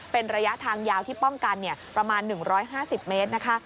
เป็นระยะทางยาวที่ป้องกันประมาณ๑๕๐เมตรนะคะ